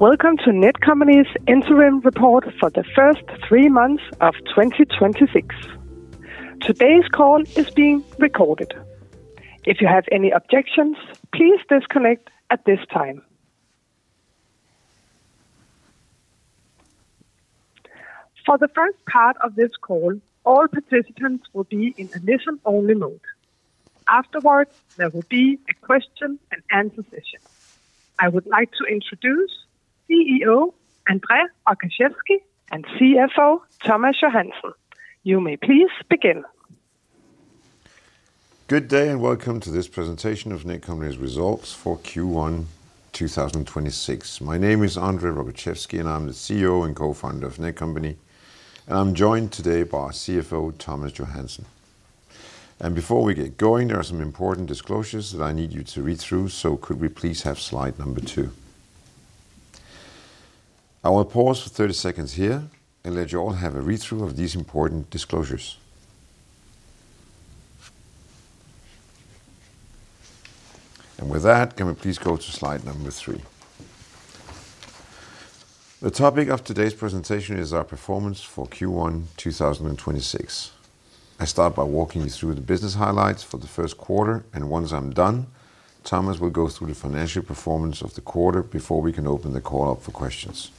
Welcome to Netcompany's interim report for the first three months of 2026. Today's call is being recorded. If you have any objections, please disconnect at this time. For the first part of this call, all participants will be in a listen-only mode. Afterwards, there will be a question-and-answer session. I would like to introduce CEO André Rogaczewski and CFO Thomas Johansen. You may please begin. Good day, welcome to this presentation of Netcompany's results for Q1 2026. My name is André Rogaczewski, and I'm the CEO and co-founder of Netcompany. I'm joined today by CFO Thomas Johansen. Before we get going, there are some important disclosures that I need you to read through, so could we please have Slide number two? I will pause for 30 seconds here and let you all have a read-through of these important disclosures. With that, can we please go to Slide number three? The topic of today's presentation is our performance for Q1 2026. I start by walking you through the business highlights for the first quarter, and once I'm done, Thomas will go through the financial performance of the quarter before we can open the call up for questions.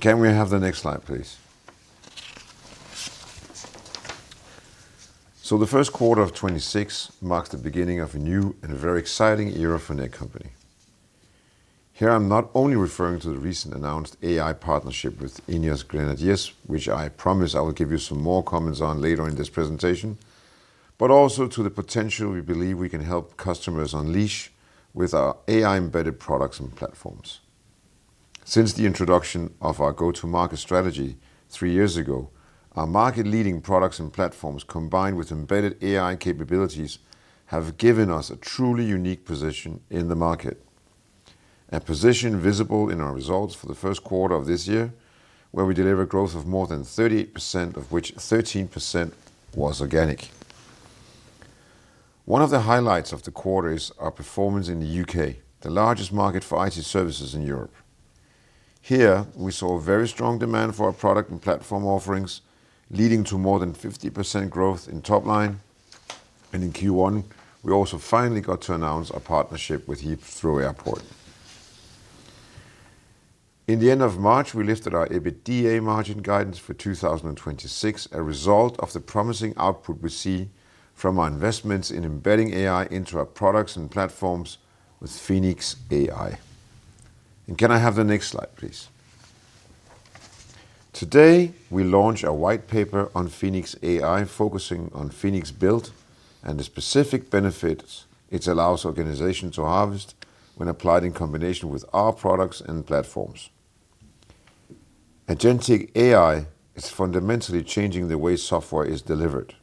Can we have the next slide, please? The first quarter of 2026 marks the beginning of a new and a very exciting era for Netcompany. Here I'm not only referring to the recent announced AI partnership with INEOS Grenadiers, which I promise I will give you some more comments on later in this presentation, but also to the potential we believe we can help customers unleash with our AI-embedded products and platforms. Since the introduction of our go-to-market strategy three years ago, our market-leading products and platforms, combined with embedded AI capabilities, have given us a truly unique position in the market. A position visible in our results for the first quarter of this year, where we delivered growth of more than 38%, of which 13% was organic. One of the highlights of the quarter is our performance in the U.K., the largest market for IT services in Europe. Here we saw a very strong demand for our product and platform offerings, leading to more than 50% growth in top line. In Q1, we also finally got to announce our partnership with Heathrow Airport. In the end of March, we lifted our EBITDA margin guidance for 2026, a result of the promising output we see from our investments in embedding AI into our products and platforms with Feniks AI. Can I have the next slide, please? Today, we launch our white paper on Feniks AI, focusing on Feniks Build and the specific benefits it allows organizations to harvest when applied in combination with our products and platforms. Agentic AI is fundamentally changing the way software is delivered.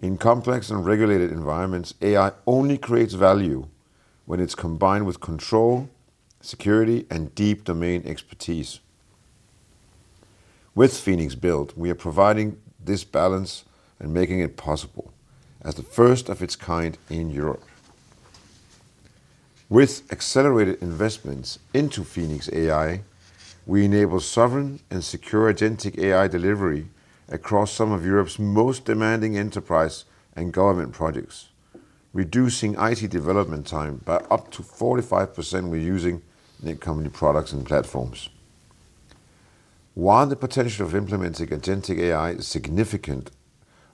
In complex and regulated environments, AI only creates value when it's combined with control, security, and deep domain expertise. With Feniks Build, we are providing this balance and making it possible as the first of its kind in Europe. With accelerated investments into Feniks AI, we enable sovereign and secure Agentic AI delivery across some of Europe's most demanding enterprise and government projects, reducing IT development time by up to 45% when using Netcompany products and platforms. While the potential of implementing Agentic AI is significant,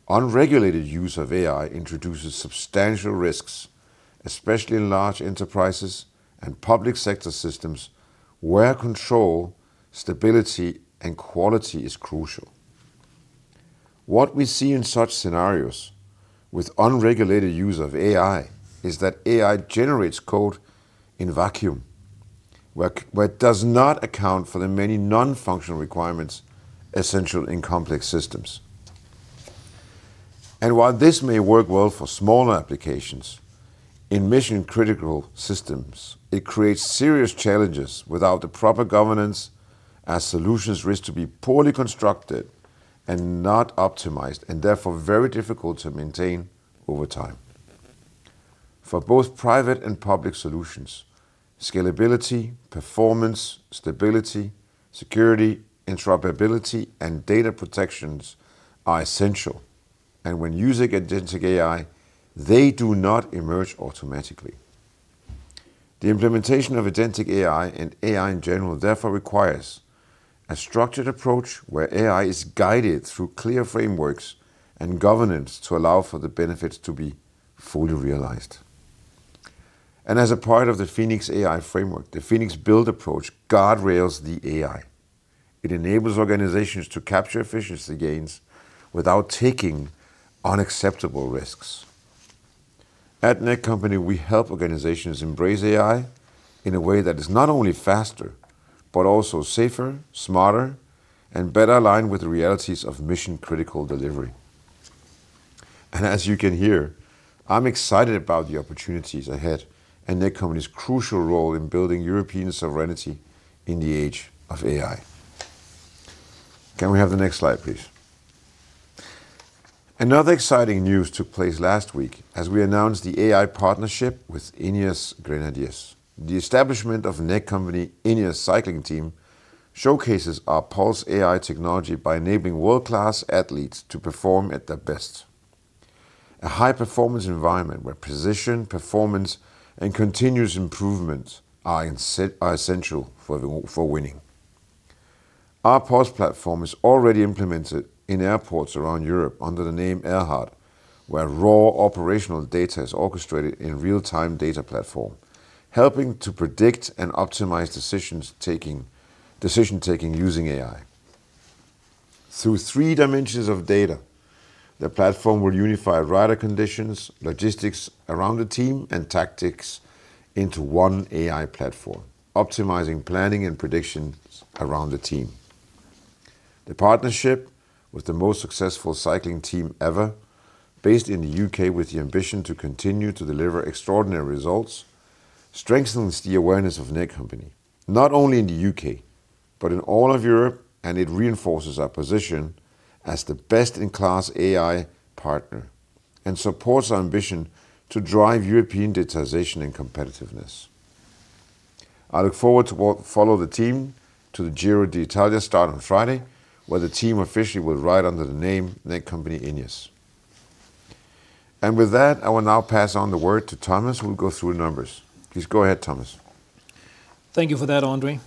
unregulated use of AI introduces substantial risks, especially in large enterprises and public sector systems where control, stability, and quality is crucial. What we see in such scenarios with unregulated use of AI is that AI generates code in vacuum where it does not account for the many non-functional requirements essential in complex systems. While this may work well for smaller applications, in mission-critical systems, it creates serious challenges without the proper governance as solutions risk to be poorly constructed and not optimized, and therefore very difficult to maintain over time. For both private and public solutions, scalability, performance, stability, security, interoperability, and data protections are essential. When using Agentic AI, they do not emerge automatically. The implementation of Agentic AI and AI in general therefore requires a structured approach where AI is guided through clear frameworks and governance to allow for the benefits to be fully realized. As a part of the Feniks AI framework, the Feniks Build approach guardrails the AI. It enables organizations to capture efficiency gains without taking unacceptable risks. At Netcompany, we help organizations embrace AI in a way that is not only faster, but also safer, smarter, and better aligned with the realities of mission-critical delivery. As you can hear, I'm excited about the opportunities ahead and Netcompany's crucial role in building European sovereignty in the age of AI. Can we have the next slide, please? Another exciting news took place last week as we announced the AI partnership with INEOS Grenadiers. The establishment of Netcompany INEOS Cycling Team showcases our PULSE AI technology by enabling world-class athletes to perform at their best. A high-performance environment where precision, performance, and continuous improvement are essential for winning. Our PULSE platform is already implemented in airports around Europe under the name AIRHART, where raw operational data is orchestrated in real-time data platform, helping to predict and optimize decision-making using AI. Through three dimensions of data, the platform will unify rider conditions, logistics around the team, and tactics into 1 AI platform, optimizing planning and predictions around the team. The partnership with the most successful cycling team ever, based in the U.K. with the ambition to continue to deliver extraordinary results, strengthens the awareness of Netcompany, not only in the U.K., but in all of Europe, and it reinforces our position as the best-in-class AI partner and supports our ambition to drive European digitization and competitiveness. I look forward to follow the team to the Giro d'Italia start on Friday, where the team officially will ride under the name Netcompany INEOS. With that, I will now pass on the word to Thomas, who will go through numbers. Please go ahead, Thomas. Thank you for that, André.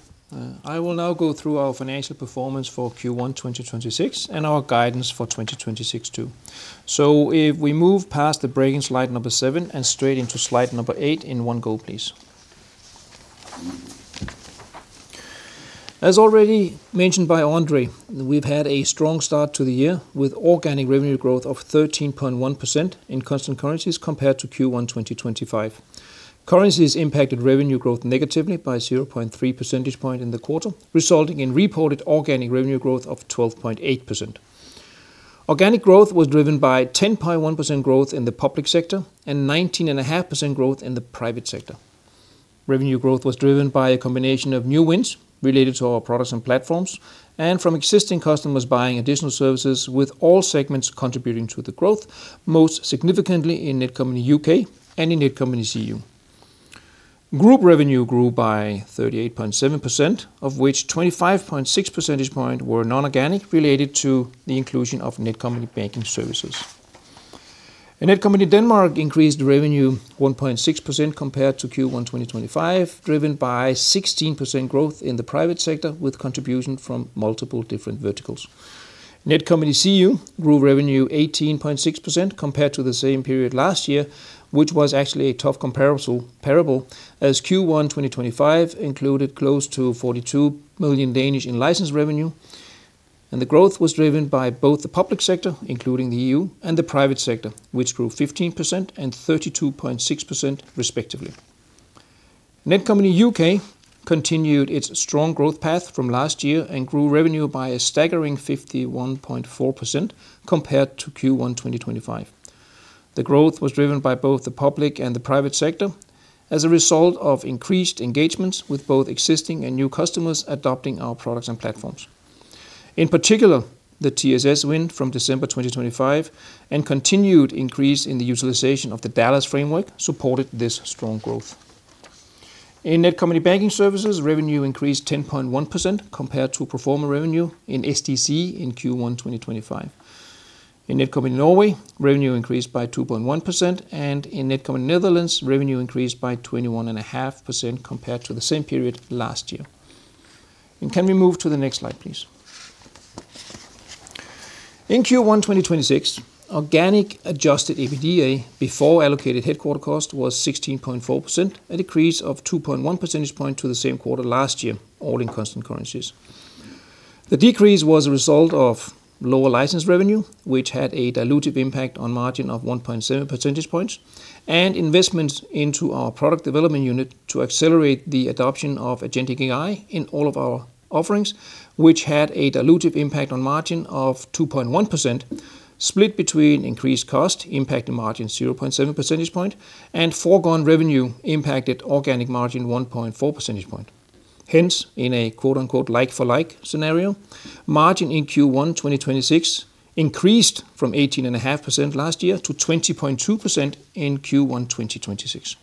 I will now go through our financial performance for Q1 2026 and our guidance for 2026 too. If we move past the break in Slide number seven and straight into Slide number eight in one go, please. As already mentioned by André, we've had a strong start to the year with organic revenue growth of 13.1% in constant currencies compared to Q1 2025. Currencies impacted revenue growth negatively by 0.3 percentage point in the quarter, resulting in reported organic revenue growth of 12.8%. Organic growth was driven by 10.1% growth in the public sector and 19.5% growth in the private sector. Revenue growth was driven by a combination of new wins related to our products and platforms and from existing customers buying additional services, with all segments contributing to the growth, most significantly in Netcompany UK and in Netcompany UK. Group revenue grew by 38.7%, of which 25.6 percentage points were non-organic related to the inclusion of Netcompany Banking Services. In Netcompany Denmark increased revenue 1.6% compared to Q1 2025, driven by 16% growth in the private sector with contribution from multiple different verticals. Netcompany SEE grew revenue 18.6% compared to the same period last year, which was actually a tough comparable as Q1 2025 included close to 42 million in license revenue, and the growth was driven by both the public sector, including the EU, and the private sector, which grew 15% and 32.6% respectively. Netcompany UK continued its strong growth path from last year and grew revenue by a staggering 51.4% compared to Q1 2025. The growth was driven by both the public and the private sector as a result of increased engagements with both existing and new customers adopting our products and platforms. In particular, the TSS win from December 2025 and continued increase in the utilization of the DALAS framework supported this strong growth. In Netcompany Banking Services, revenue increased 10.1% compared to pro forma revenue in SDC in Q1 2025. In Netcompany Norway, revenue increased by 2.1%. In Netcompany Netherlands, revenue increased by 21.5% compared to the same period last year. Can we move to the next slide, please? In Q1 2026, organic adjusted EBITDA before allocated headquarter cost was 16.4%, a decrease of 2.1 percentage point to the same quarter last year, all in constant currencies. The decrease was a result of lower license revenue, which had a dilutive impact on margin of 1.7 percentage points and investments into our product development unit to accelerate the adoption of Agentic AI in all of our offerings, which had a dilutive impact on margin of 2.1% split between increased cost impacting margin 0.7 percentage point and foregone revenue impacted organic margin 1.4 percentage point. In a quote, unquote like for like scenario, margin in Q1 2026 increased from 18.5% last year to 20.2% in Q1 2026.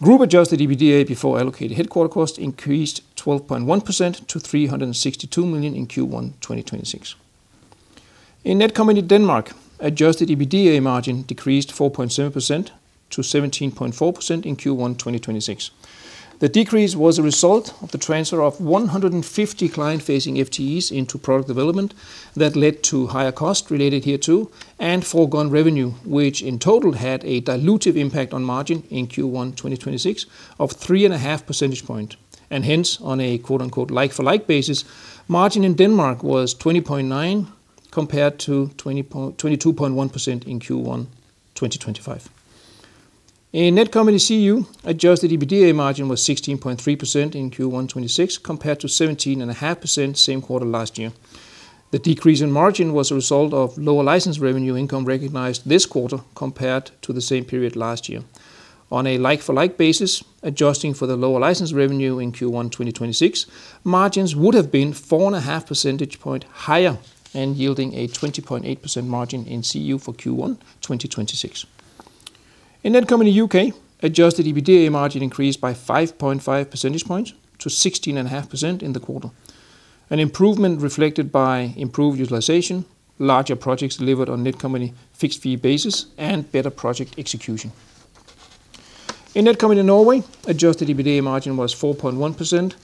Group-adjusted EBITDA before allocated headquarter cost increased 12.1% to 362 million in Q1 2026. In Netcompany Denmark, adjusted EBITDA margin decreased 4.7% to 17.4% in Q1 2026. The decrease was a result of the transfer of 150 client-facing FTEs into product development that led to higher cost related hereto and foregone revenue, which in total had a dilutive impact on margin in Q1 2026 of 3.5 percentage points. Hence, on a quote, unquote 'like for like' basis, margin in Denmark was 20.9% compared to 22.1% in Q1 2025. In Netcompany CU, adjusted EBITDA margin was 16.3% in Q1 2026 compared to 17.5% same quarter last year. The decrease in margin was a result of lower license revenue income recognized this quarter compared to the same period last year. On a like-for-like basis, adjusting for the lower license revenue in Q1 2026, margins would have been 4.5 percentage point higher and yielding a 20.8% margin in CU for Q1 2026. In Netcompany UK, adjusted EBITDA margin increased by 5.5 percentage points to 16.5% in the quarter. An improvement reflected by improved utilization, larger projects delivered on Netcompany fixed fee basis, and better project execution. In Netcompany Norway, adjusted EBITDA margin was 4.1%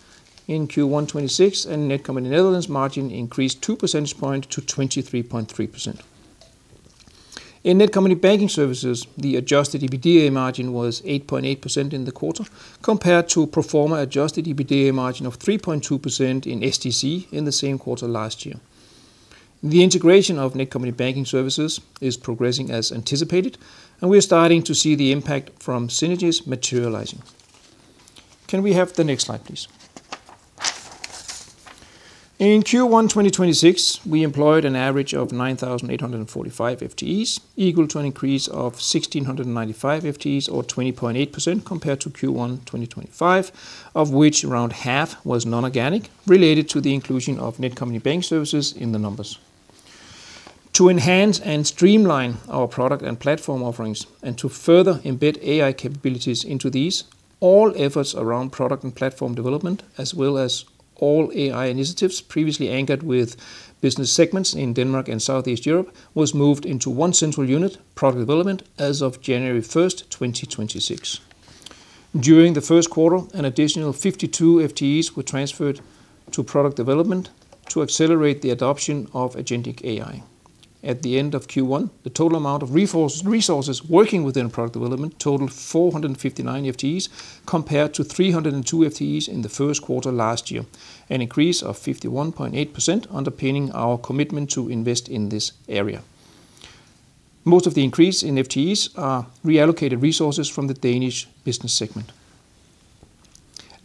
in Q1 2026, and Netcompany Netherlands margin increased 2 percentage points to 23.3%. In Netcompany Banking Services, the adjusted EBITDA margin was 8.8% in the quarter, compared to a pro forma adjusted EBITDA margin of 3.2% in SDC in the same quarter last year. The integration of Netcompany Banking Services is progressing as anticipated, and we are starting to see the impact from synergies materializing. Can we have the next slide, please? In Q1 2026, we employed an average of 9,845 FTEs, equal to an increase of 1,695 FTEs, or 20.8% compared to Q1 2025, of which around half was non-organic, related to the inclusion of Netcompany Banking Services in the numbers. To enhance and streamline our product and platform offerings and to further embed AI capabilities into these, all efforts around product and platform development, as well as all AI initiatives previously anchored with business segments in Denmark and Southeast Europe, was moved into one central unit, product development, as of January 1st, 2026. During the first quarter, an additional 52 FTEs were transferred to product development to accelerate the adoption of Agentic AI. At the end of Q1, the total amount of resources working within product development totaled 459 FTEs compared to 302 FTEs in the first quarter last year. An increase of 51.8% underpinning our commitment to invest in this area. Most of the increase in FTEs are reallocated resources from Netcompany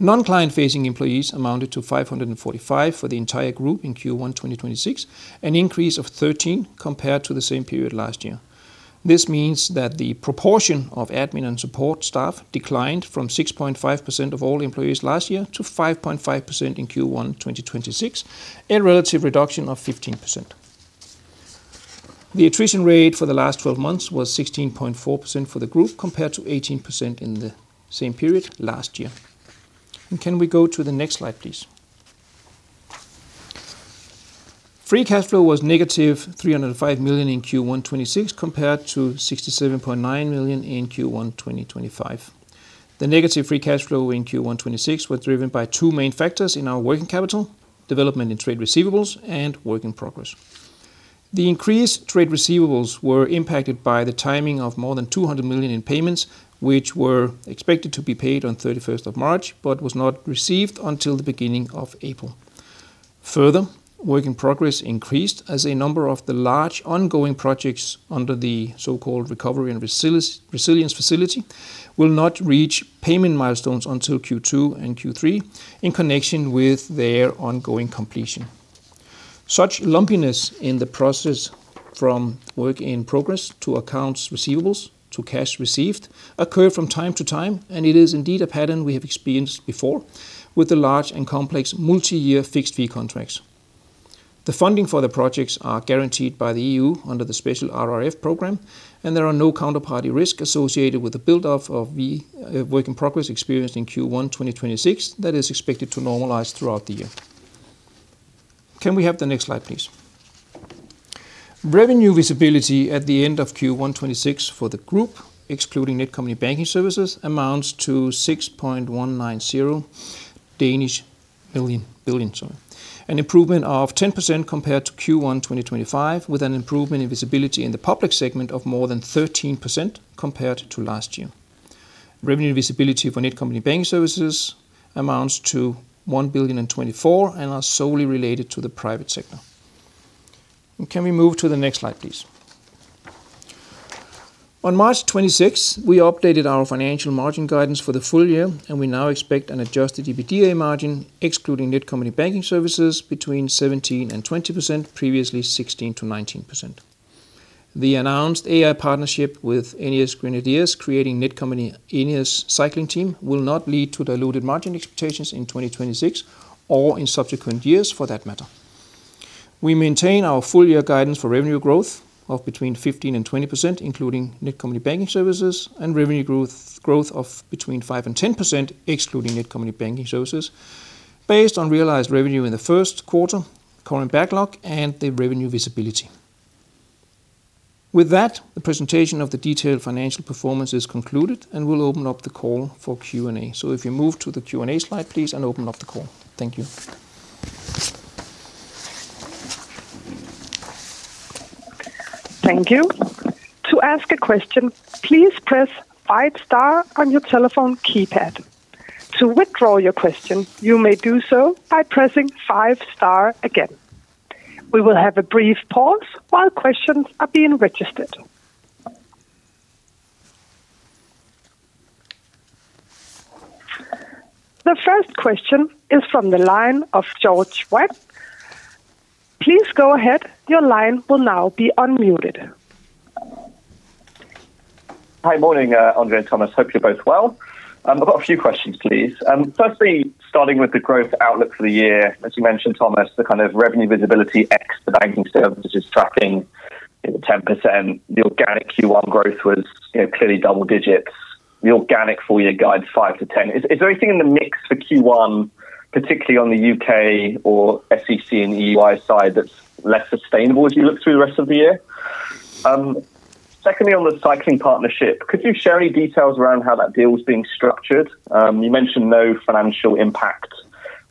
Denmark. Non-client-facing employees amounted to 545 for the entire group in Q1 2026, an increase of 13 compared to the same period last year. This means that the proportion of admin and support staff declined from 6.5% of all employees last year to 5.5% in Q1 2026, a relative reduction of 15%. The attrition rate for the last 12 months was 16.4% for the group, compared to 18% in the same period last year. Can we go to the next slide, please? Free cash flow was negative 305 million in Q1 2026, compared to 67.9 million in Q1 2025. The negative free cash flow in Q1 2026 was driven by two main factors in our working capital, development in trade receivables, and work in progress. The increased trade receivables were impacted by the timing of more than 200 million in payments, which were expected to be paid on 31st of March, but was not received until the beginning of April. Further, work in progress increased as a number of the large ongoing projects under the so-called Recovery and Resilience Facility will not reach payment milestones until Q2 and Q3 in connection with their ongoing completion. Such lumpiness in the process from work in progress to accounts receivables to cash received occur from time to time, and it is indeed a pattern we have experienced before with the large and complex multiyear fixed fee contracts. The funding for the projects are guaranteed by the EU under the special RRF program, and there are no counterparty risk associated with the build-up of work in progress experienced in Q1 2026 that is expected to normalize throughout the year. Can we have the next slide, please? Revenue visibility at the end of Q1 2026 for the group, excluding Netcompany Banking Services, amounts to 6.190 billion, sorry. An improvement of 10% compared to Q1 2025, with an improvement in visibility in the public segment of more than 13% compared to last year. Revenue visibility for Netcompany Banking Services amounts to 1.024 billion and are solely related to the private sector. Can we move to the next slide, please? On March 26, we updated our financial margin guidance for the full-year, and we now expect an adjusted EBITDA margin excluding Netcompany Banking Services between 17% and 20%, previously 16%-19%. The announced AI partnership with INEOS Grenadiers creating Netcompany INEOS Cycling Team will not lead to diluted margin expectations in 2026 or in subsequent years for that matter. We maintain our full-year guidance for revenue growth of between 15% and 20%, including Netcompany Banking Services, and revenue growth of between 5% and 10% excluding Netcompany Banking Services based on realized revenue in the first quarter, current backlog, and the revenue visibility. With that, the presentation of the detailed financial performance is concluded, and we'll open up the call for Q&A. If you move to the Q&A slide, please, and open up the call. Thank you. Thank you. To ask a question please press five star on your telephone keypad. To withdraw your question you may do so by pressing five star again. We will have a brief pause while questions are being registered. The first question is from the line of George White. Please go ahead. Your line will be now unmuted. Hi. Morning, André and Thomas. Hope you're both well. I've got a few questions, please. Firstly, starting with the growth outlook for the year. As you mentioned, Thomas, the kind of revenue visibility ex the banking services is tracking in the 10%. The organic Q1 growth was, you know, clearly double-digits. The organic full-year guide 5%-10%. Is there anything in the mix for Q1, particularly on the U.K. or SEC and EY side that's less sustainable as you look through the rest of the year? Secondly, on the cycling partnership, could you share any details around how that deal is being structured? You mentioned no financial impact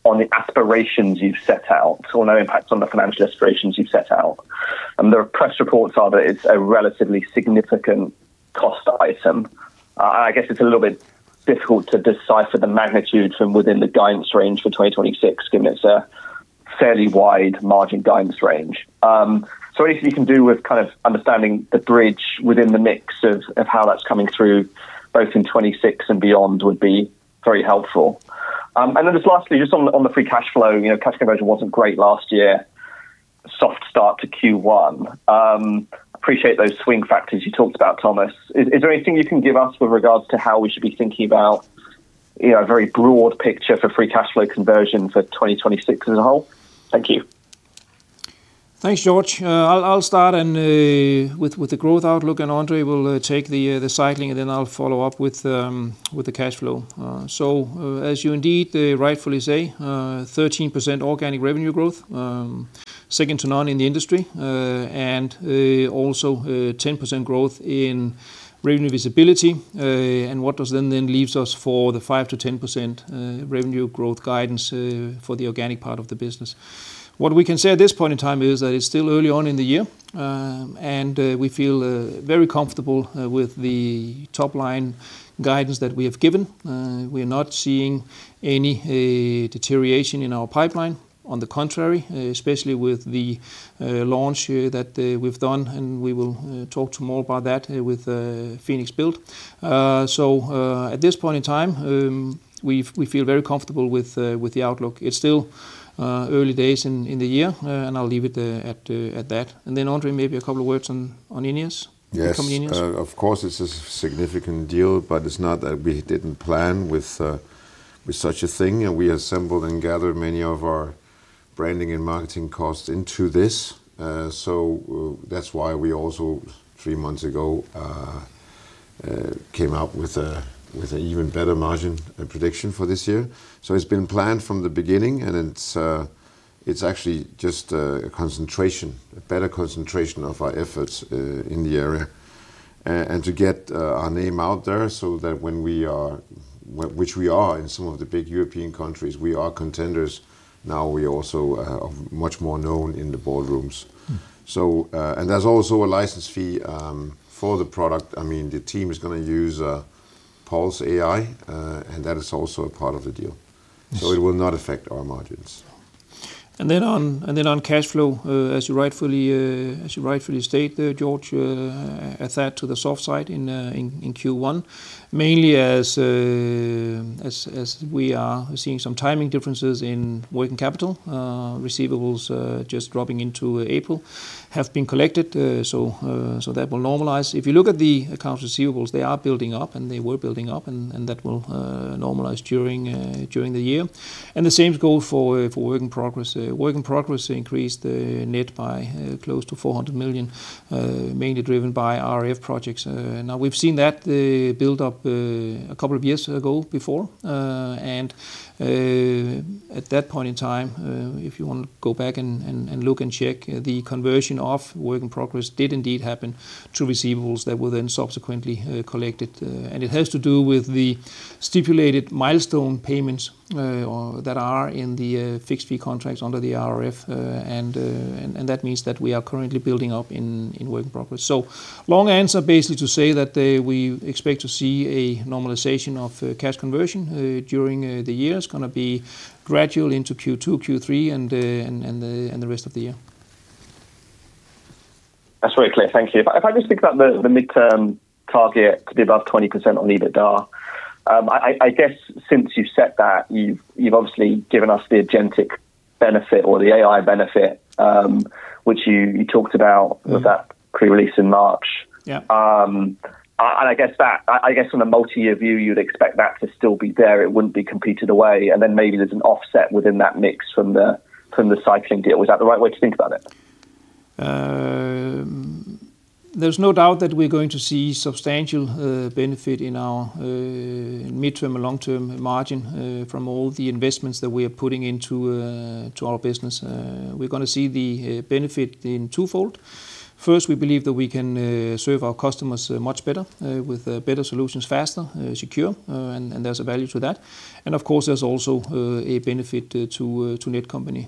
on the aspirations you've set out. So no impact on the financial aspirations you've set out. The press reports are that it's a relatively significant cost item. I guess it's a little bit difficult to decipher the magnitude from within the guidance range for 2026, given it's a fairly wide margin guidance range. Anything you can do with kind of understanding the bridge within the mix of how that's coming through, both in 2026 and beyond, would be very helpful. Just lastly, just on the free cash flow. You know, cash conversion wasn't great last year. Soft start to Q1. Appreciate those swing factors you talked about, Thomas. Is there anything you can give us with regards to how we should be thinking about, you know, a very broad picture for free cash flow conversion for 2026 as a whole? Thank you. Thanks, George. I'll start with the growth outlook. André will take the cycling, then I'll follow up with the cash flow. As you indeed rightfully say, 13% organic revenue growth, second to none in the industry. Also, 10% growth in revenue visibility. What then leaves us for the 5%-10% revenue growth guidance for the organic part of the business. What we can say at this point in time is that it's still early on in the year. We feel very comfortable with the top-line guidance that we have given. We are not seeing any deterioration in our pipeline. On the contrary, especially with the launch that we've done, and we will talk to more about that with Feniks Build. So at this point in time, we feel very comfortable with the outlook. It's still early days in the year, and I'll leave it at that. Then André, maybe a couple of words on INEOS. Yes. Upcoming INEOS. Of course, it's a significant deal, but it's not that we didn't plan with such a thing. We assembled and gathered many of our branding and marketing costs into this. That's why we also, three months ago, came out with an even better margin prediction for this year. It's been planned from the beginning, and it's actually just a concentration, a better concentration of our efforts in the area. To get our name out there so that when we are, which we are in some of the big European countries, we are contenders. Now we also are much more known in the boardrooms. There's also a license fee for the product. I mean, the team is gonna use, PULSE AI, and that is also a part of the deal. It will not affect our margins. Then on, then on cash flow, as you rightfully, as you rightfully state there, George, to the soft side in Q1. Mainly as we are seeing some timing differences in working capital. Receivables, just dropping into April have been collected, so that will normalize. If you look at the accounts receivables, they are building up, and they were building up, and that will normalize during the year. The same goes for work in progress. Work in progress increased net by close to 400 million, mainly driven by RRF projects. Now we've seen that build up a couple of years ago before. At that point in time, if you wanna go back and look and check, the conversion of work in progress did indeed happen to receivables that were then subsequently collected. It has to do with the stipulated milestone payments that are in the fixed fee contracts under the RRF. That means that we are currently building up in work in progress. Long answer basically to say that we expect to see a normalization of cash conversion during the year. It's gonna be gradual into Q2, Q3, and the rest of the year. That's very clear. Thank you. If I just think about the midterm target to be above 20% on EBITDA. I guess since you've set that, you've obviously given us the Agentic benefit or the AI benefit, which you talked about. -with that pre-release in March. Yeah. I guess on a multi-year view, you'd expect that to still be there. It wouldn't be competed away. Maybe there's an offset within that mix from the cycling deal. Was that the right way to think about it? There's no doubt that we're gonna see substantial benefit in our midterm or long-term margin from all the investments that we are putting into to our business. We're gonna see the benefit in two-fold. First, we believe that we can serve our customers much better with better solutions faster, secure, and there's a value to that. Of course, there's also a benefit to Netcompany,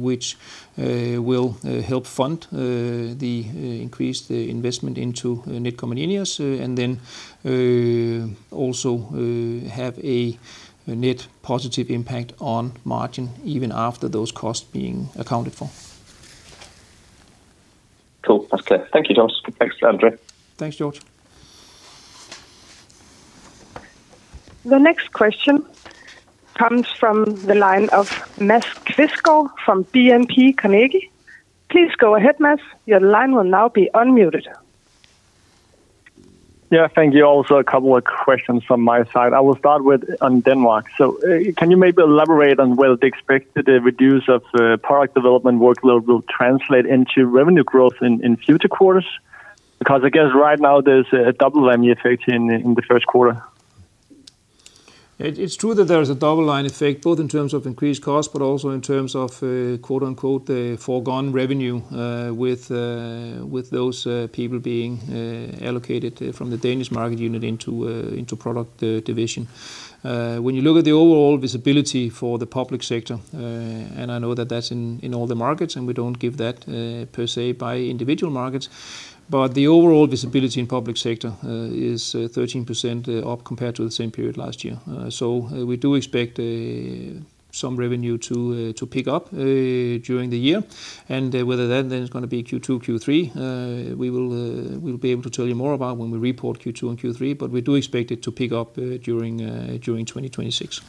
which will help fund the increased investment into Netcompany INEOS, and then also have a net positive impact on margin even after those costs being accounted for. Cool. That's clear. Thank you, Thomas. Thanks, André. Thanks, George. The next question comes from the line of Mads Quistgaard from DNB Carnegie. Please go ahead, Mads. Your line will now be unmuted. Yeah. Thank you. Also, a couple of questions from my side. I will start with on Denmark. Can you maybe elaborate on will the expected reduce of product development workload will translate into revenue growth in future quarters? Because I guess right now there's a double whammy effect in the first quarter. It's true that there is a double line effect, both in terms of increased cost, but also in terms of, quote-unquote, the foregone revenue, with those people being allocated from the Danish market unit into product division. When you look at the overall visibility for the public sector, and I know that that's in all the markets, and we don't give that per se by individual markets, but the overall visibility in public sector is 13% up compared to the same period last year. We do expect some revenue to pick up during the year. Whether that then is gonna be Q2, Q3, we will, we'll be able to tell you more about when we report Q2 and Q3, but we do expect it to pick up during 2026.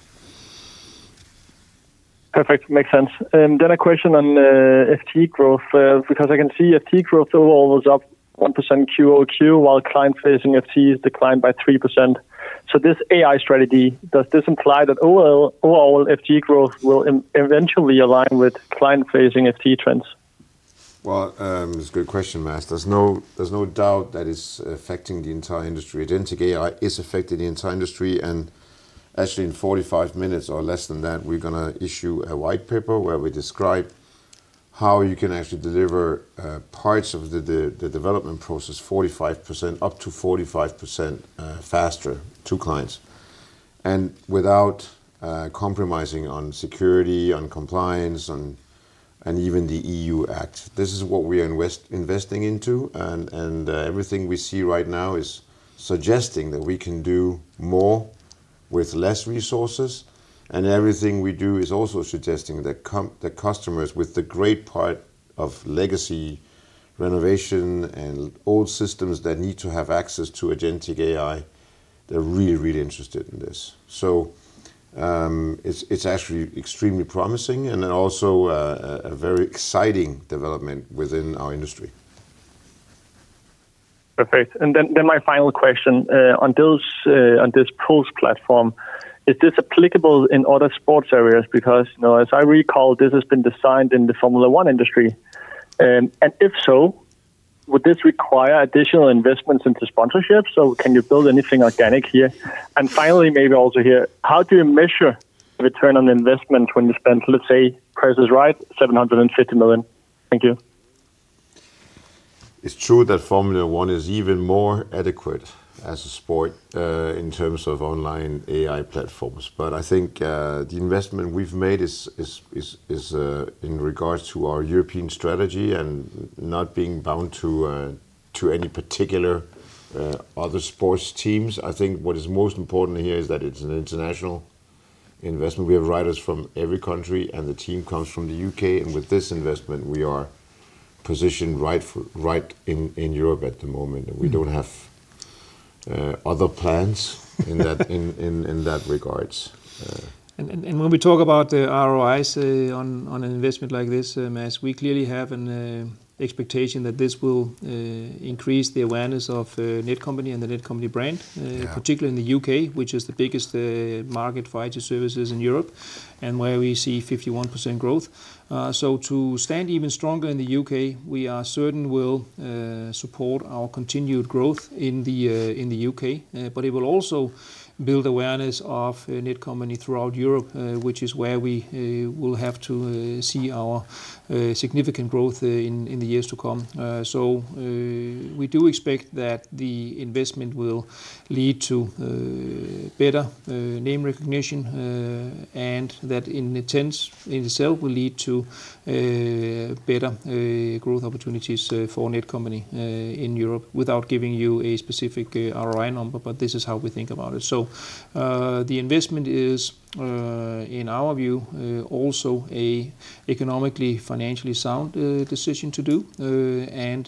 Perfect. Makes sense. A question on FT growth. Because I can see FT growth overall was up 1% QOQ, while client-facing FTs declined by 3%. This AI strategy, does this imply that overall FT growth will eventually align with client-facing FT trends? Well, it's a good question, Mads. There's no doubt that it's affecting the entire industry. Agentic AI is affecting the entire industry, and actually, in 45 minutes or less than that, we're gonna issue a white paper where we describe how you can actually deliver parts of the development process 45%, up to 45%, faster to clients, and without compromising on security, on compliance, on, and even the EU AI Act. This is what we're investing into and everything we see right now is suggesting that we can do more with less resources. Everything we do is also suggesting that the customers with the great part of legacy renovation and old systems that need to have access to Agentic AI, they're really interested in this. It's actually extremely promising and also, a very exciting development within our industry. Perfect. Then my final question. On those, on this PULSE platform, is this applicable in other sports areas? Because, you know, as I recall, this has been designed in the Formula One industry. If so, would this require additional investments into sponsorships? Can you build anything organic here? Finally, maybe also here, how do you measure ROI when you spend, let's say Price Is Right, 750 million? Thank you. It's true that Formula One is even more adequate as a sport in terms of online AI platforms. I think the investment we've made is in regards to our European strategy and not being bound to any particular other sports teams. I think what is most important here is that it's an international investment. We have riders from every country, and the team comes from the U.K., and with this investment, we are positioned right in Europe at the moment, and we don't have other plans in that regard. When we talk about the ROIs on an investment like this, Mads, we clearly have an expectation that this will increase the awareness of Netcompany and the Netcompany brand. Yeah particularly in the U.K., which is the biggest market for IT services in Europe and where we see 51% growth. To stand even stronger in the U.K., we are certain will support our continued growth in the U.K. It will also build awareness of Netcompany throughout Europe, which is where we will have to see our significant growth in the years to come. We do expect that the investment will lead to better name recognition, and that in intense in itself will lead to better growth opportunities for Netcompany in Europe without giving you a specific ROI number. This is how we think about it. The investment is in our view also a economically, financially sound decision to do.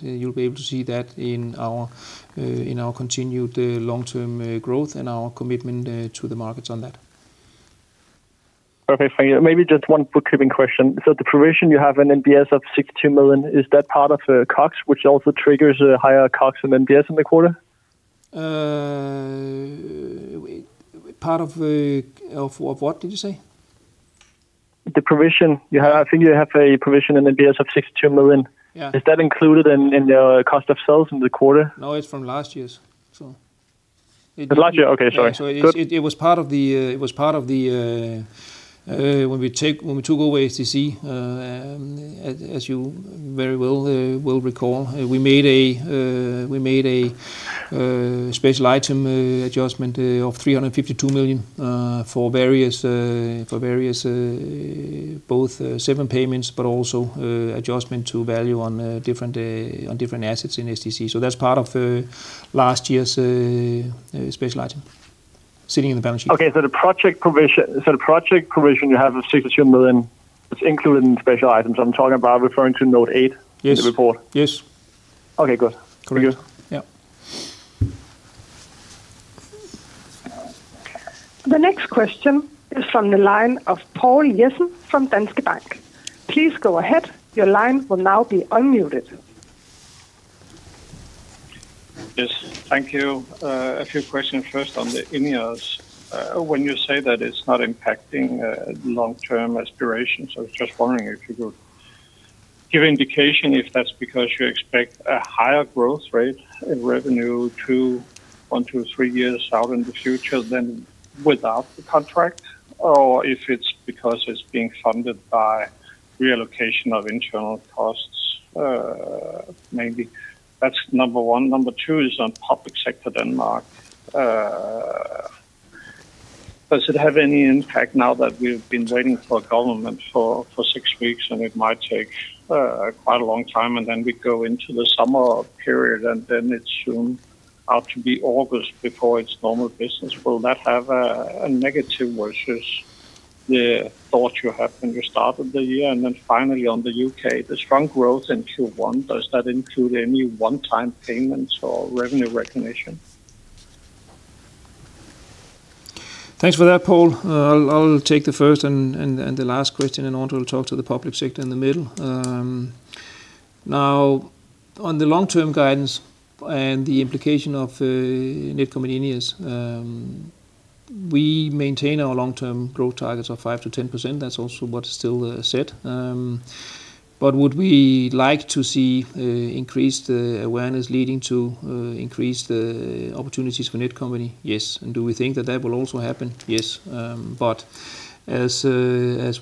You'll be able to see that in our in our continued long-term growth and our commitment to the markets on that. Okay. Thank you. Maybe just one bookkeeping question. The provision you have in NBS of 62 million, is that part of COGS, which also triggers a higher COGS than NBS in the quarter? Part of what did you say? The provision. I think you have a provision in NBS of 62 million. Yeah. Is that included in the cost of sales in the quarter? No, it's from last year's, so. Last year. Okay. Sorry. Good. It was part of the when we took over SDC, as you very well recall, we made a special item adjustment of 352 million for various both seven payments, but also adjustment to value on different assets in SDC. That's part of last year's special item sitting in the balance sheet. Okay. The project provision you have of 600 million is included in special items. I am talking about referring to note eight. Yes in the report. Yes. Okay. Good. Correct. Thank you. Yeah. The next question is from the line of Poul Jessen from Danske Bank. Please go ahead. Your line will now be unmuted. Yes. Thank you. A few questions first on the INEOS. When you say that it's not impacting long-term aspirations, I was just wondering if you could give indication if that's because you expect a higher growth rate in revenue two, one to three years out in the future than without the contract, or if it's because it's being funded by reallocation of internal costs, maybe. That's number one. Number two is on public sector Denmark. Does it have any impact now that we've been waiting for government for six weeks and it might take quite a long time, and then we go into the summer period, and then it's soon out to be August before it's normal business? Will that have a negative versus the thought you had when you started the year? Finally, on the U.K., the strong growth in Q1, does that include any one-time payments or revenue recognition? Thanks for that, Poul. I'll take the first and the last question, André Rogaczewski will talk to the public sector in the middle. Now, on the long-term guidance and the implication of Netcompany INEOS, we maintain our long-term growth targets of 5%-10%. That's also what's still set. But would we like to see increased awareness leading to increased opportunities for Netcompany? Yes. Do we think that that will also happen? Yes. But as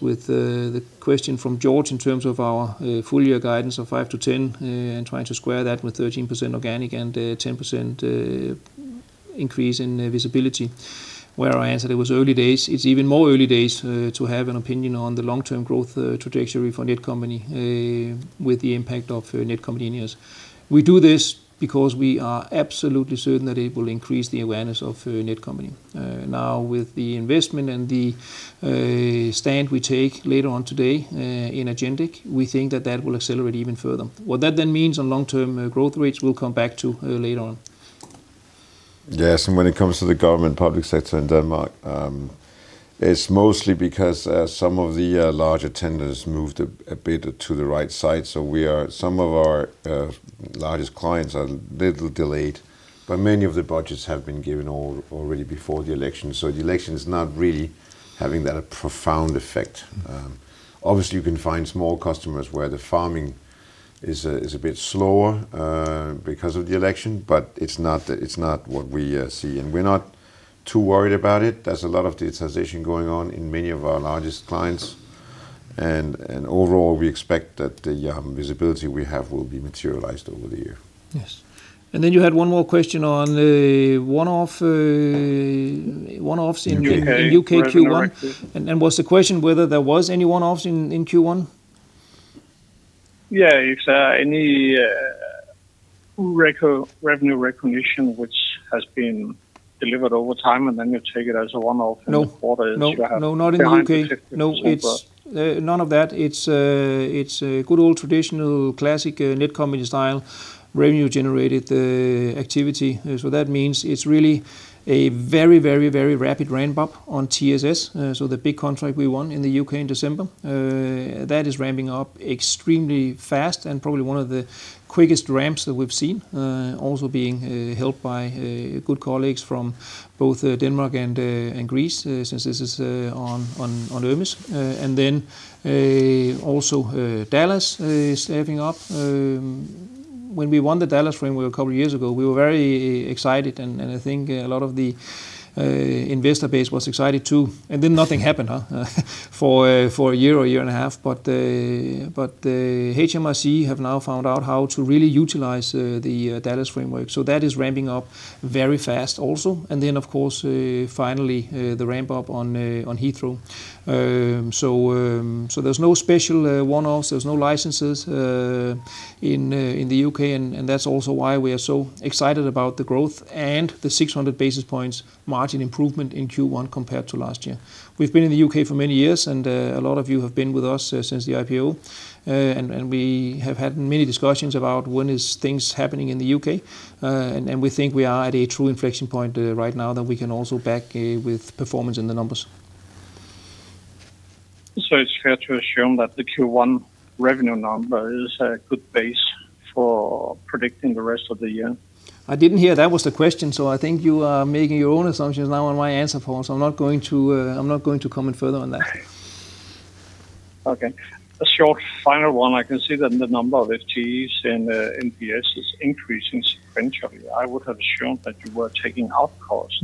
with the question from George in terms of our full-year guidance of 5%-10%, and trying to square that with 13% organic and 10% increase in visibility, where I answered it was early days. It's even more early days, to have an opinion on the long-term growth, trajectory for Netcompany, with the impact of Netcompany INEOS. We do this because we are absolutely certain that it will increase the awareness of, Netcompany. With the investment and the, stand we take later on today, in Agentic, we think that that will accelerate even further. What that then means on long-term, growth rates, we'll come back to, later on. Yes. When it comes to the government public sector in Denmark, it's mostly because some of the larger tenders moved a bit to the right side. Some of our largest clients are a little delayed, but many of the budgets have been given already before the election. The election is not really having that profound effect. Obviously, you can find small customers where the farming is a bit slower because of the election, but it's not what we see. We're not too worried about it. There's a lot of digitization going on in many of our largest clients. Overall, we expect that the visibility we have will be materialized over the year. Yes. Then you had one more question on the one-off, one-offs. U.K. revenue recognition the U.K. Q1. Was the question whether there was any one-offs in Q1? Yeah. If, any revenue recognition which has been delivered over time, and then you take it as a one-off in the quarter. No. No. as you No, not in the U.K. behind the tech No. It's none of that. It's a good old traditional classic Netcompany style revenue generated activity. That means it's really a very, very, very rapid ramp-up on TSS. The big contract we won in the U.K. in December that is ramping up extremely fast and probably one of the quickest ramps that we've seen. Also being helped by good colleagues from both Denmark and Greece, since this is on EMIS. Also DALAS is ramping up. When we won the DALAS framework a couple of years ago, we were very excited, and I think a lot of the investor base was excited too. Nothing happened, huh? For a year or a year and a half. HM Revenue and Customs have now found out how to really utilize the DALAS framework. That is ramping up very fast also. Of course, finally, the ramp-up on Heathrow Airport. There's no special one-offs, there's no licenses in the U.K. That's also why we are so excited about the growth and the 600 basis points margin improvement in Q1 compared to last year. We've been in the U.K. for many years, and a lot of you have been with us since the IPO. We have had many discussions about when is things happening in the U.K. We think we are at a true inflection point right now that we can also back with performance in the numbers. It's fair to assume that the Q1 revenue number is a good base for predicting the rest of the year? I didn't hear that was the question, so I think you are making your own assumptions now on my answer, Poul. I'm not going to comment further on that. Okay. A short final one. I can see that the number of FTEs in NBS is increasing sequentially. I would have assumed that you were taking out costs.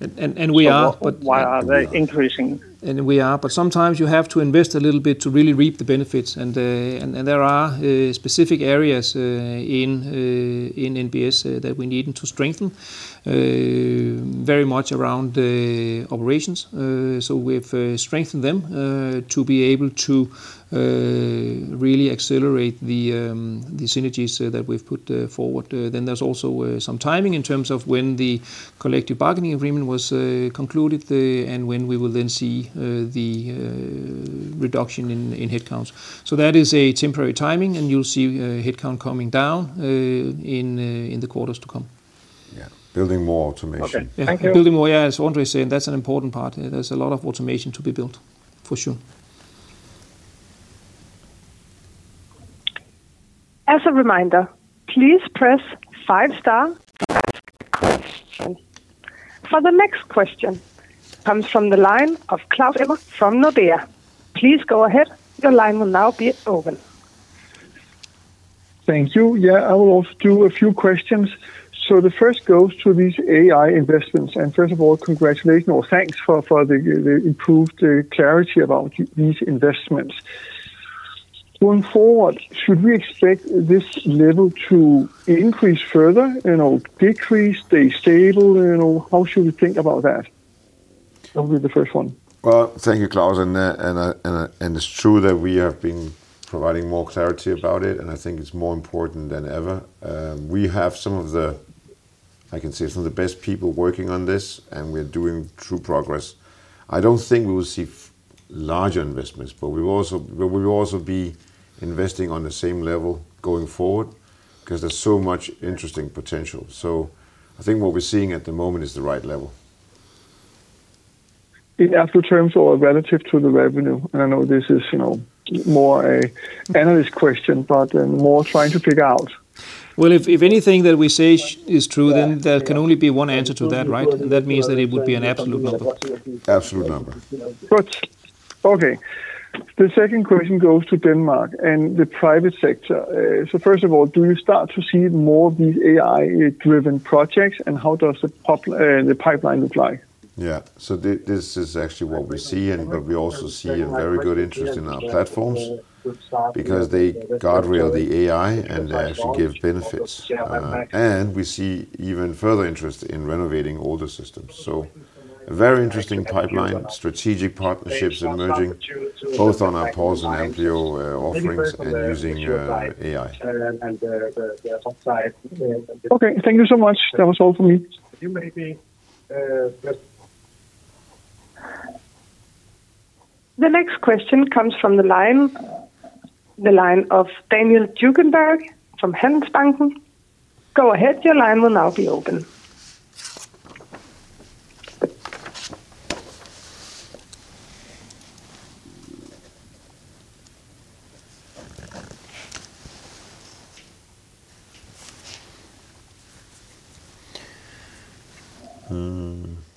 We are. Why are they increasing? We are. Sometimes you have to invest a little bit to really reap the benefits. There are specific areas in NBS that we're needing to strengthen very much around operations. We've strengthened them to be able to really accelerate the synergies that we've put forward. There's also some timing in terms of when the collective bargaining agreement was concluded and when we will see the reduction in headcounts. That is a temporary timing, and you'll see headcount coming down in the quarters to come. Building more automation. Okay. Thank you. Building more, yeah, as André is saying, that's an important part. There's a lot of automation to be built, for sure. As a reminder, please press five star to ask a question. The next question comes from the line of Claus Almer from Nordea. Please go ahead. Your line will now be open. Thank you. Yeah, I will ask a few questions. The first goes to these AI investments. First of all, congratulation or thanks for the improved clarity about these investments. Going forward, should we expect this level to increase further, you know, decrease, stay stable? You know, how should we think about that? That will be the first one. Thank you, Claus. It's true that we have been providing more clarity about it, and I think it's more important than ever. We have some of the, I can say, some of the best people working on this, and we're doing true progress. I don't think we will see larger investments, we will also be investing on the same level going forward because there's so much interesting potential. I think what we're seeing at the moment is the right level. In absolute terms or relative to the revenue? I know this is, you know, more a analyst question, but, more trying to figure out. Well, if anything that we say is true, then there can only be one answer to that, right? That means that it would be an absolute number. Absolute number. Good. Okay. The second question goes to Denmark and the private sector. First of all, do you start to see more of these AI-driven projects, and how does the pipeline look like? Yeah. This is actually what we see. We also see a very good interest in our platforms because they guardrail the AI, and they actually give benefits. We see even further interest in renovating older systems. A very interesting pipeline, strategic partnerships emerging both on our PULSE and AMPLIO offerings and using AI. Okay. Thank you so much. That was all for me. The next question comes from the line of Daniel Djurberg from Handelsbanken. Go ahead, your line will now be open.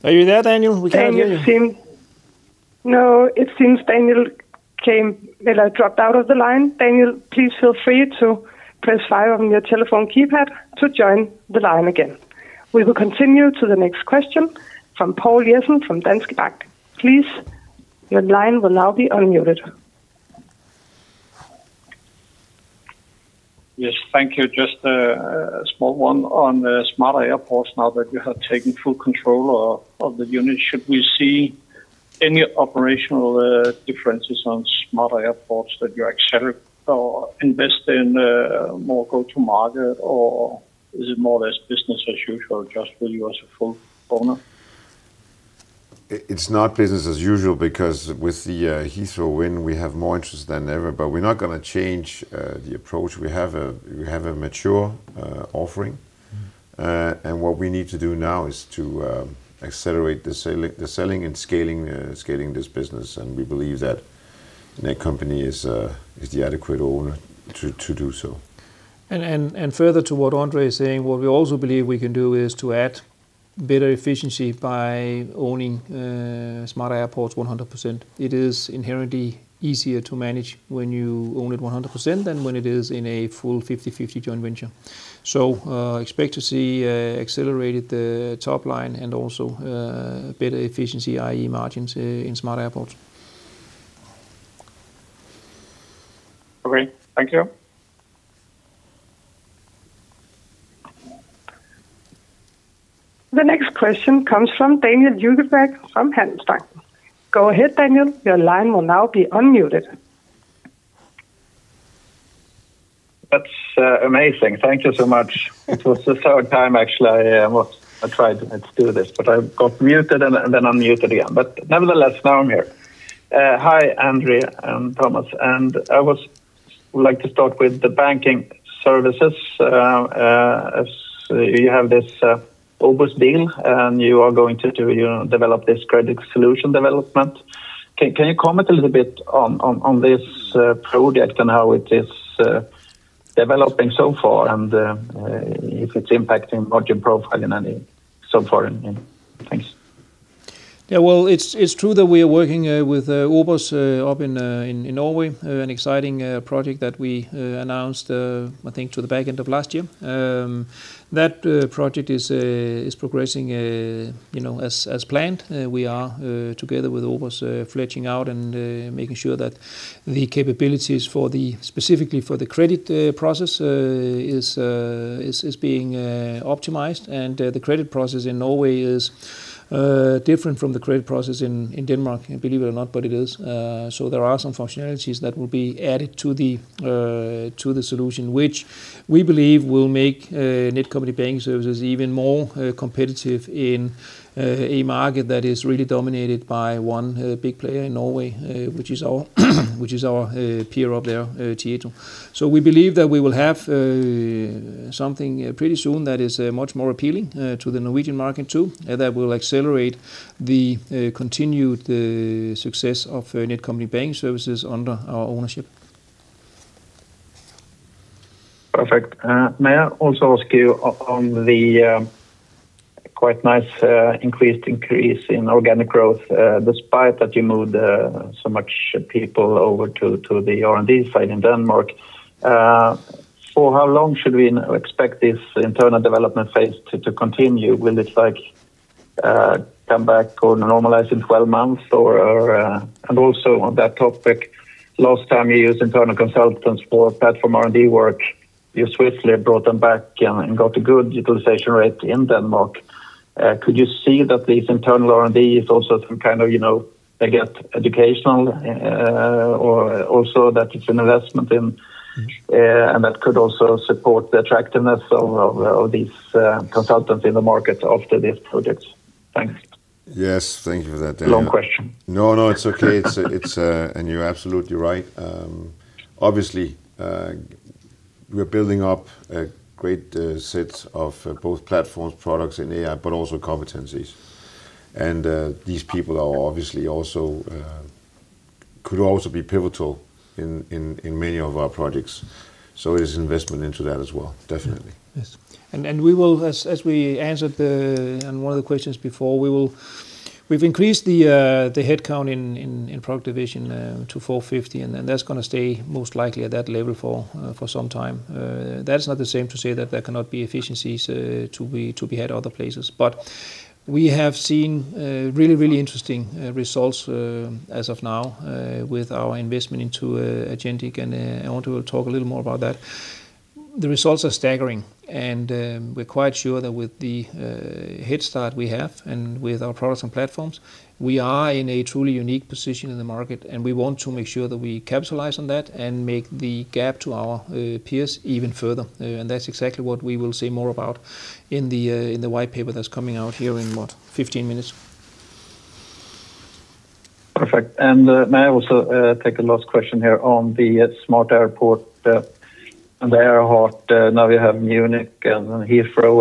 Are you there, Daniel? We can't hear you. Daniel, No, it seems Daniel well, dropped out of the line. Daniel, please feel free to press five on your telephone keypad to join the line again. We will continue to the next question from Poul Jessen from Danske Bank. Please, your line will now be unmuted. Yes, thank you. Just a small one on Smarter Airports, now that you have taken full control of the unit. Should we see any operational differences on Smarter Airports that you accelerate or invest in more go-to-market, or is it more or less business as usual, just with you as a full owner? It's not business as usual because with the Heathrow win, we have more interest than ever. We're not gonna change the approach. We have a mature offering. What we need to do now is to accelerate the selling and scaling this business. We believe that Netcompany is the adequate owner to do so. Further to what André is saying, what we also believe we can do is to add better efficiency by owning Smarter Airports 100%. It is inherently easier to manage when you own it 100% than when it is in a full 50-50 joint venture. Expect to see accelerated the top line and also better efficiency, i.e., margins, in Smarter Airports. Okay. Thank you. The next question comes from Daniel Djurberg from Handelsbanken. Go ahead, Daniel. Your line will now be unmuted. That's amazing. Thank you so much. It was the third time actually I tried to do this, but I got muted and then unmuted again. Nevertheless, now I'm here. Hi, André and Thomas. I would like to start with the banking services. As you have this OBOS deal, and you are going to, you know, develop this credit solution development. Can you comment a little bit on this project and how it is developing so far, and if it's impacting margin profile in any so far? Thanks. Well, it's true that we are working with OBOS up in Norway, an exciting project that we announced I think to the back end of last year. That project is progressing, you know, as planned. We are together with OBOS fleshing out and making sure that the capabilities for the, specifically for the credit process, is being optimized. The credit process in Norway is different from the credit process in Denmark, believe it or not, but it is. There are some functionalities that will be added to the solution, which we believe will make Netcompany Banking Services even more competitive in a market that is really dominated by one big player in Norway, which is our peer up there, Tietoevry. We believe that we will have something pretty soon that is much more appealing to the Norwegian market too, that will accelerate the continued success of Netcompany Banking Services under our ownership. Perfect. May I also ask you on the quite nice, increased organic growth, despite that you moved so much people over to the R&D side in Denmark? For how long should we expect this internal development phase to continue? Will it, like, come back or normalize in 12 months or? Also on that topic, last time you used internal consultants for platform R&D work, you swiftly brought them back and got a good utilization rate in Denmark. Could you see that these internal R&D is also some kind of, you know, I guess, educational, or also that it's an investment in, and that could also support the attractiveness of these consultants in the market after these projects? Thanks. Yes. Thank you for that, Daniel. Long question. No, no, it's okay. It's. You're absolutely right. Obviously, we're building up a great set of both platforms, products in AI, but also competencies. These people are obviously also could also be pivotal in many of our projects. It is investment into that as well, definitely. Yes. As we answered one of the questions before, We've increased the headcount in product division to 450, and then that's gonna stay most likely at that level for some time. That's not the same to say that there cannot be efficiencies to be had other places. We have seen really, really interesting results as of now with our investment into Agentic, and I want to talk a little more about that. The results are staggering, and we're quite sure that with the head start we have and with our products and platforms, we are in a truly unique position in the market, and we want to make sure that we capitalize on that and make the gap to our peers even further. That's exactly what we will see more about in the white paper that's coming out here in, what? 15 minutes. Perfect. May I also take a last question here on the smart airport and the AIRHART. Now we have Munich and Heathrow,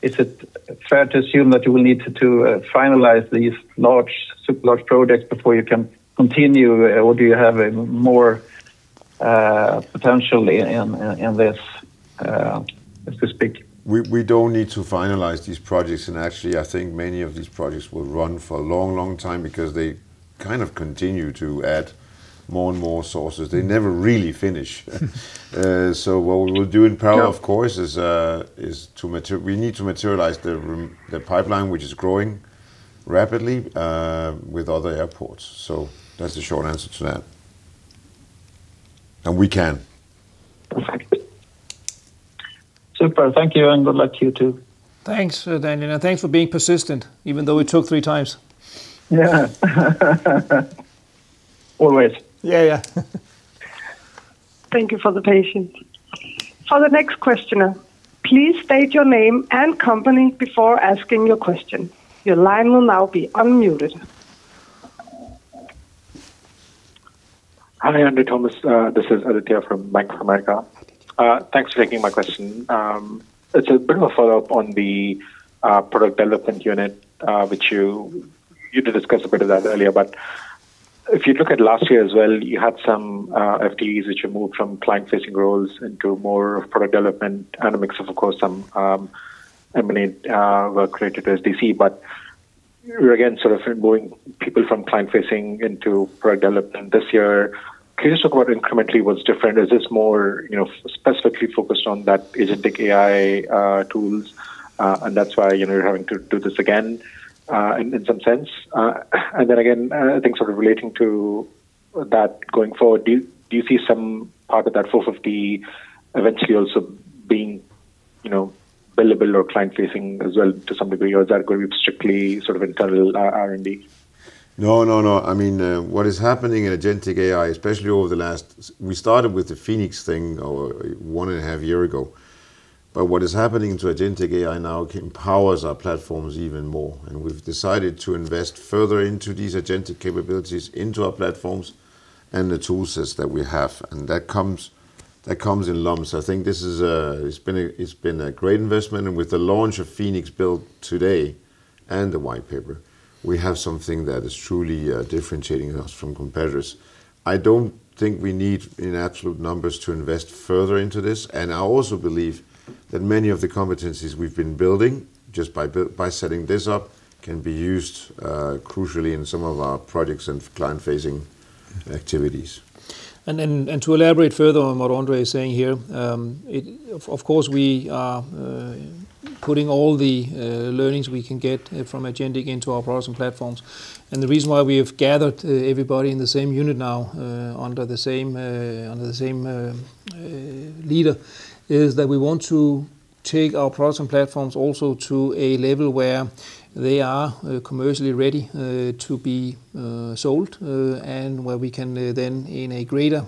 is it fair to assume that you will need to finalize these large, super large projects before you can continue, or do you have a more potential in this, so to speak? We don't need to finalize these projects. Actually, I think many of these projects will run for a long, long time because they kind of continue to add more and more sources. They never really finish. What we will do in parallel. Yeah of course, We need to materialize the pipeline, which is growing rapidly with other airports. That's the short answer to that. We can. Perfect. Super. Thank you, and good luck to you two. Thanks, Daniel, and thanks for being persistent, even though it took 3x. Yeah. Always. Yeah, yeah. Thank you for the patience. For the next questioner, please state your name and company before asking your question. Your line will now be unmuted. Hi, André, Thomas. This is Aditya from Bank of America. Thanks for taking my question. It's a bit of a follow-up on the product development unit, which you did discuss a bit of that earlier. If you look at last year as well, you had some FTEs which you moved from client-facing roles into more product development and a mix of course, some M&A work related to SDC. You're again sort of moving people from client-facing into product development this year. Can you just talk about incrementally what's different? Is this more, you know, specifically focused on that Agentic AI tools, and that's why, you know, you're having to do this again, in some sense? Then again, I think sort of relating to that going forward, do you see some part of that 450 eventually also being, you know, billable or client-facing as well to some degree, or is that going to be strictly sort of internal R&D? No, no. I mean, what is happening in Agentic AI. We started with the Feniks thing one and a half year ago. What is happening to Agentic AI now empowers our platforms even more, and we've decided to invest further into these agentic capabilities into our platforms and the toolsets that we have. That comes in lumps. I think this is, it's been a great investment. With the launch of Feniks Build today and the white paper, we have something that is truly differentiating us from competitors. I don't think we need, in absolute numbers, to invest further into this. I also believe that many of the competencies we've been building just by setting this up can be used crucially in some of our projects and client-facing activities. To elaborate further on what André is saying here, of course, we are putting all the learnings we can get from Agentic into our products and platforms. The reason why we have gathered everybody in the same unit now, under the same leader, is that we want to take our products and platforms also to a level where they are commercially ready to be sold, and where we can then in a greater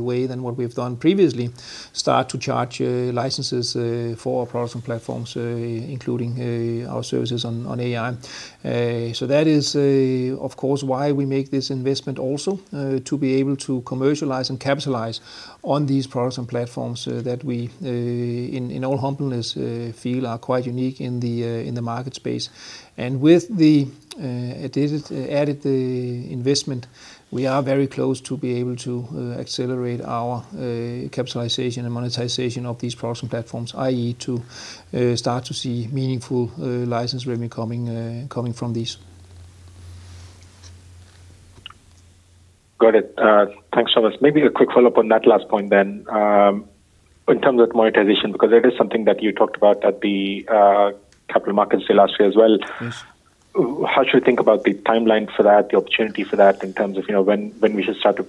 way than what we've done previously, start to charge licenses for our products and platforms, including our services on AI. That is, of course, why we make this investment also, to be able to commercialize and capitalize on these products and platforms, that we, in all humbleness, feel are quite unique in the, in the market space. With the added investment, we are very close to be able to accelerate our capitalization and monetization of these products and platforms, i.e., to start to see meaningful license revenue coming from these. Thanks, Thomas. Maybe a quick follow-up on that last point then, in terms of monetization, because that is something that you talked about at the capital markets day last year as well. Yes. How should we think about the timeline for that, the opportunity for that in terms of, you know, when we should start to,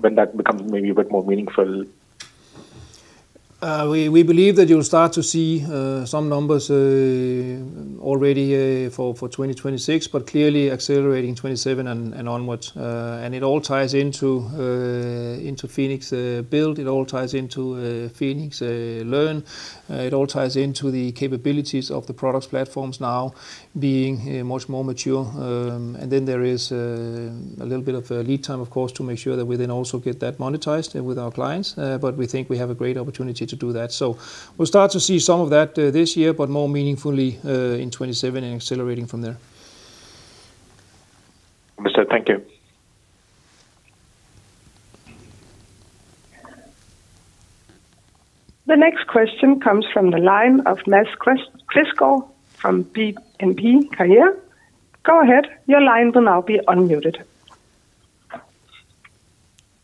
when that becomes maybe a bit more meaningful? We believe that you'll start to see some numbers already for 2026, but clearly accelerating 2027 and onwards. It all ties into Feniks Build. It all ties into Feniks Learn. It all ties into the capabilities of the products platforms now being much more mature. And then there is a little bit of a lead time of course to make sure that we then also get that monetized with our clients. We think we have a great opportunity to do that. We'll start to see some of that this year, but more meaningfully in 2027 and accelerating from there. Understood. Thank you. The next question comes from the line of Mads Quistgaard from DNB Carnegie. Go ahead. Your line will now be unmuted.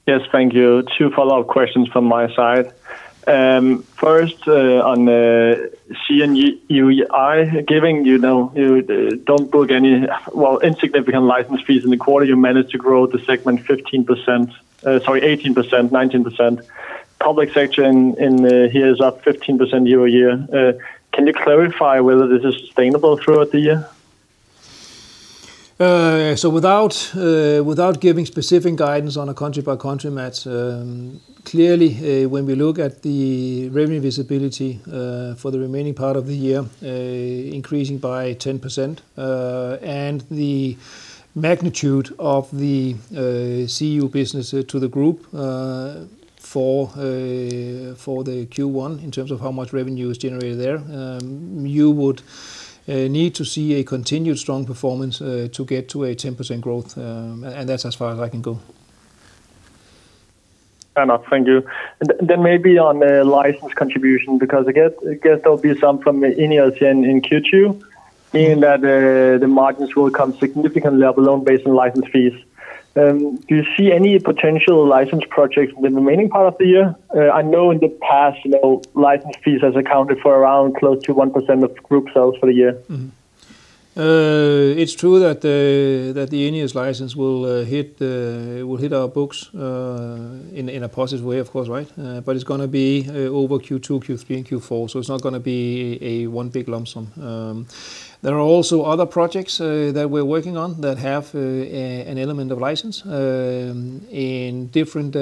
Yes. Thank you. Two follow-up questions from my side. First, on the CU given, you know, you don't book any, well, insignificant license fees in the quarter. You managed to grow the segment 15%. Sorry, 18%, 19%. Public Sector here is up 15% year-over-year. Can you clarify whether this is sustainable throughout the year? Without giving specific guidance on a country-by-country, Mads, clearly, when we look at the revenue visibility for the remaining part of the year, increasing by 10%, and the magnitude of the CU business to the group for the Q1 in terms of how much revenue is generated there, you would need to see a continued strong performance to get to a 10% growth. That's as far as I can go. Fair enough. Thank you. Maybe on the license contribution, because I guess there'll be some from INEOS in Q2, meaning that the margins will come significantly up alone based on license fees. Do you see any potential license projects in the remaining part of the year? I know in the past, you know, license fees has accounted for around close to 1% of group sales for the year. It's true that the INEOS license will hit our books in a positive way, of course, right? It's gonna be over Q2, Q3, and Q4, so it's not gonna be a one big lump sum. There are also other projects that we're working on that have an element of license in different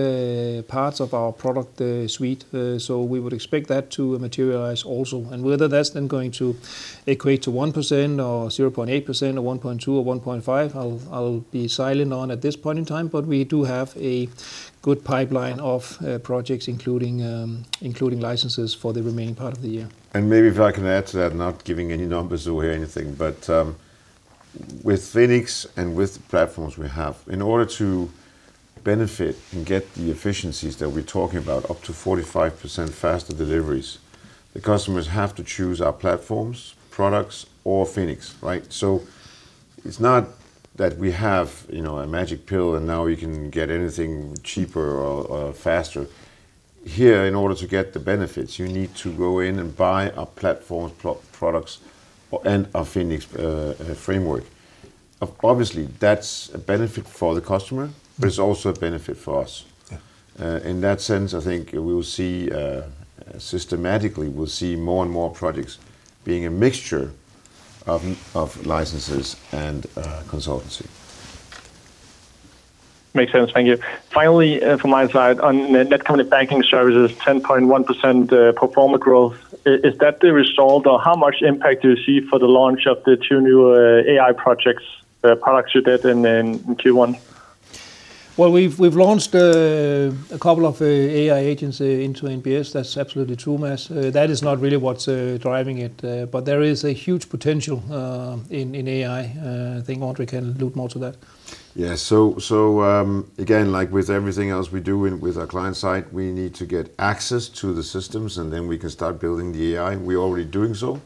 parts of our product suite. We would expect that to materialize also. Whether that's then going to equate to 1% or 0.8% or 1.2% or 1.5%, I'll be silent on at this point in time. We do have a good pipeline of projects including licenses for the remaining part of the year. Maybe if I can add to that, not giving any numbers away or anything, but, with Feniks and with the platforms we have, in order to benefit and get the efficiencies that we're talking about, up to 45% faster deliveries, the customers have to choose our platforms, products or Feniks, right? It's not that we have, you know, a magic pill and now you can get anything cheaper or faster. Here, in order to get the benefits, you need to go in and buy our platforms, products and our Feniks framework. Obviously, that's a benefit for the customer. It's also a benefit for us. Yeah. In that sense, I think we will see, systematically we'll see more and more projects being a mixture of licenses and consultancy. Makes sense. Thank you. Finally, from my side on Netcompany Banking Services, 10.1% pro forma growth. Is that the result or how much impact do you see for the launch of the two new AI projects, products you did in Q1? Well, we've launched a couple of AI agents into NBS. That's absolutely true, Mads. That is not really what's driving it. There is a huge potential in AI. I think André can allude more to that. Again, like with everything else we do in, with our client side, we need to get access to the systems, and then we can start building the AI. We are already doing so.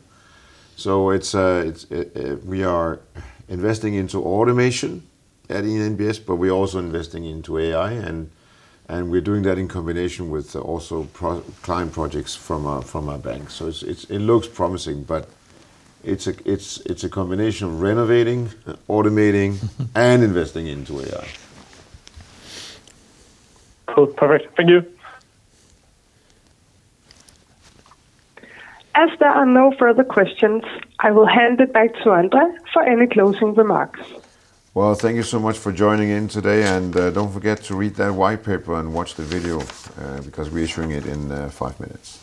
We are investing into automation at NBS, but we're also investing into AI. We're doing that in combination with also pro-client projects from our banks. It looks promising, but it's a combination of renovating, automating and investing into AI. Cool. Perfect. Thank you. As there are no further questions, I will hand it back to André for any closing remarks. Well, thank you so much for joining in today. Don't forget to read that white paper and watch the video, because we are showing it in five minutes.